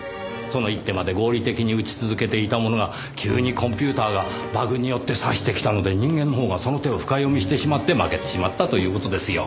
その一手まで合理的に打ち続けていたものが急にコンピューターがバグによって指してきたので人間のほうがその手を深読みしてしまって負けてしまったという事ですよ。